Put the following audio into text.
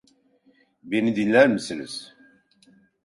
Beni dinler misiniz?